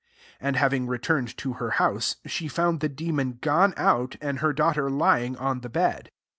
30 And having returned to her house, she found the demon gone out, and her daughter ly ing on the bed.